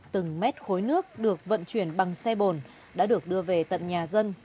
từng mét khối nước được vận chuyển bằng xe bồn đã được đưa về tận nhà dân